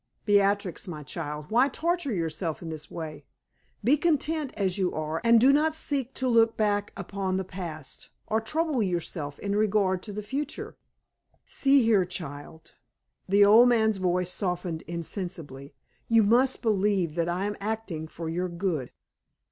Beatrix, my child, why torture yourself in this way? Be content as you are, and do not seek to look back upon the past, or trouble yourself in regard to the future. See here, child!" the old man's voice softened insensibly "you must believe that I am acting for your good.